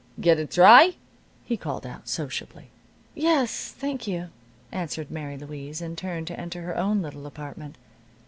"Get it dry?" he called out, sociably. "Yes, thank you," answered Mary Louise, and turned to enter her own little apartment.